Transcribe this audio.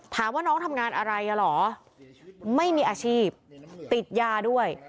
น้องทำงานอะไรอ่ะเหรอไม่มีอาชีพติดยาด้วย